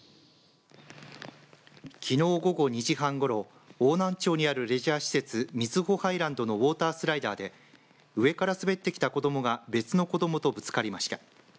きのう午後２時半ごろ邑南町にあるレジャー施設瑞穂ハイランドのウォータースライダーで上から滑ってきた子どもが別の子どもとぶつかりました。